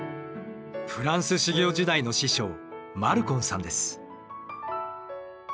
フランス修行時代の師匠マルコンさんです。